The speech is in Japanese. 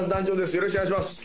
よろしくお願いします。